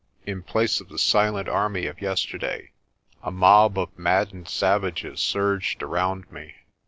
In place of the silent army of yesterday a mob of maddened savages surged around me.